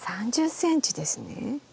３０ｃｍですね。